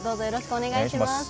お願いします。